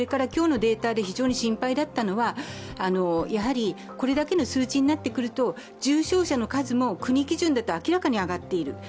今日のデータで非常に心肺だったのは、これだけの数字になってくると、重症者の数も国基準だと明らかに上がっている。